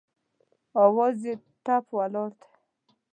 اواز یې ټپ ولاړ دی